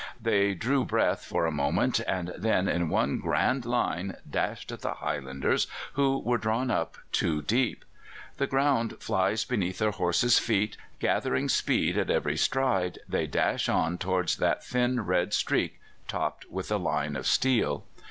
They drew breath for a moment, and then in one grand line dashed at the Highlanders, who were drawn up two deep. The ground flies beneath their horses' feet; gathering speed at every stride, they dash on towards that thin red streak topped with a line of steel.